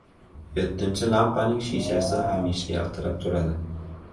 Yettinchi lampaning shishasi hamisha yaltirab turadi.